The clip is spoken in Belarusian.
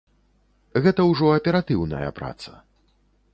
Гэта ўжо аператыўная праца.